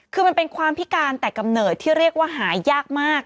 คือมันเป็นความพิการแต่กำเนิดที่เรียกว่าหายากมาก